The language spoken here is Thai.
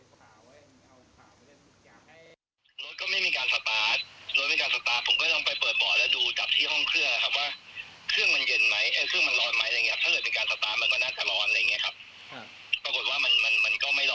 พื้นที่เป็นพื้นเรียกปกติเพราะว่าก่อนหน้านี้เคยจอด